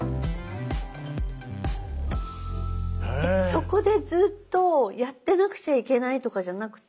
そこでずっとやってなくちゃいけないとかじゃなくて。